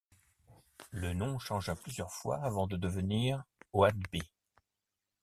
Le nom changea plusieurs fois avant de devenir Oadby.